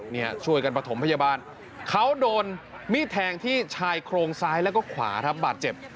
เนี่ยช่วยกันประถมพยาบาลเขาโดนมีดแทงที่ชายโครงซ้ายแล้วก็ขวาครับบาดเจ็บ